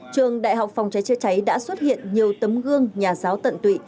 trường đại học phòng cháy chữa cháy đã xuất hiện nhiều tấm gương nhà giáo tận tụy